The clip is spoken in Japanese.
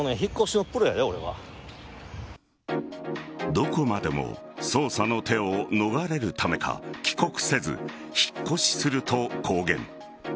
どこまでも捜査の手を逃れるためか帰国せず引っ越しすると公言。